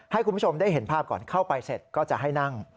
ให้คุณผู้ชมได้เห็นภาพก่อนเข้าไปเสร็จก็จะให้นั่ง